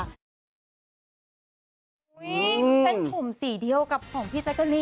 อุ้ยเส้นผมสีเดียวกับของพี่แจ๊กลีน